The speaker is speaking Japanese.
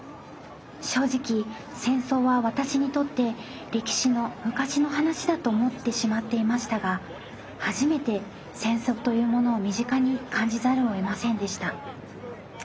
正直戦争は私にとって歴史の昔の話だと思ってしまっていましたが初めて戦争というものを身近に感じざるをえませんでした。